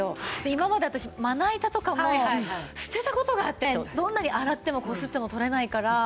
今まで私まな板とかも捨てた事があってどんなに洗ってもこすっても取れないから。